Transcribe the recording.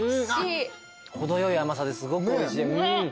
程よい甘さですごくおいしい。